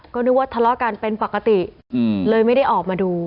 ก็นึกว่าทะเลาะกันเป็นปกติเลยไม่ได้ออกมาดู